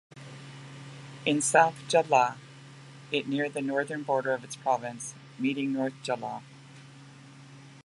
In South Jeolla, it near the northern border of its province, meeting North Jeolla.